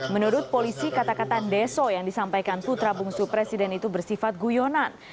menurut polisi kata kata deso yang disampaikan putra bungsu presiden itu bersifat guyonan